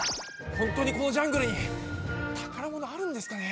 本当にこのジャングルに宝物あるんですかね？